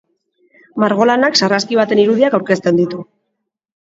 Margolanak sarraski baten irudiak aurkezten ditu.